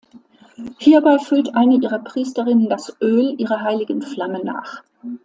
Hierbei füllt eine ihrer Priesterinnen das Öl ihrer heiligen Flamme nach.